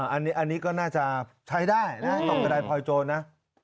อันนี้ก็น่าจะใช้ได้นะตกกระดายพลอยโจรนะ